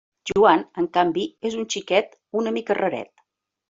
Joan, en canvi, és un xiquet una mica «raret».